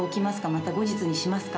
また後日にしますか？